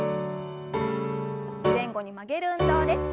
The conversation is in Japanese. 前後に曲げる運動です。